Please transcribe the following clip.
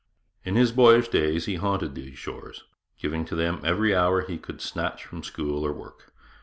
In his boyish days he haunted these shores, giving to them every hour he could snatch from school or work.